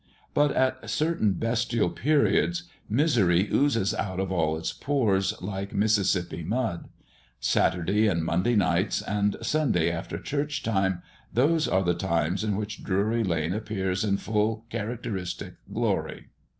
But at certain bestial periods, misery oozes out of all its pores like Mississipi mud. Saturday and Monday nights, and Sunday after Church time, those are the times in which Drury lane appears in full characteristic glory.